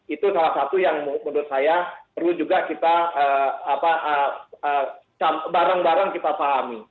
itu salah satu yang menurut saya perlu juga kita bareng bareng kita pahami